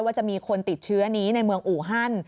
ว่าจะมีคนติดเชื้อนี้ในเมืองอูฮัน